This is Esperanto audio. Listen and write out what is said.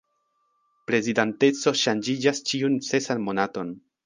Prezidanteco ŝanĝiĝas ĉiun sesan monaton.